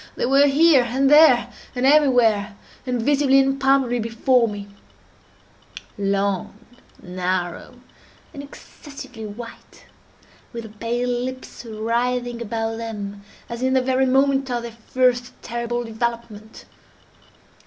—they were here, and there, and everywhere, and visibly and palpably before me; long, narrow, and excessively white, with the pale lips writhing about them, as in the very moment of their first terrible development.